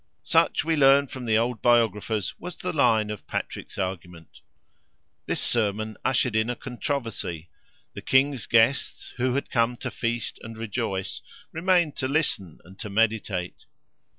Such, we learn from the old biographers, was the line of Patrick's argument. This sermon ushered in a controversy. The king's guests, who had come to feast and rejoice, remained to listen and to meditate.